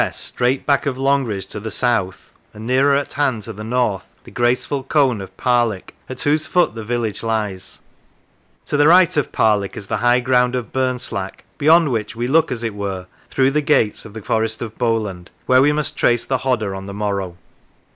The Rivers straight back of Longridge to the south, and nearer at hand to the north the graceful cone of Parlick, at whose foot the village lies ; to the right of Parlick is the high ground of Burnslack, beyond which we look, as it were, through the gates of the Forest of Bowland, where we must trace the Hodder on the morrow.